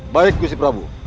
baik gusti prabu